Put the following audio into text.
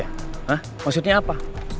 hah maksudnya apa